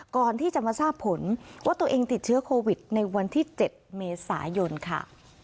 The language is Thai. ก่อนที่จะมาทราบผลว่าตัวเองติดเชื้อโควิดในวันที่๗เมษายนค่ะ